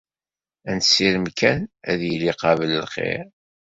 Ad nessirem kan ad yili qabel xir.